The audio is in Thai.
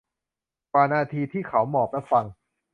กว่านาทีที่เขาหมอบและฟัง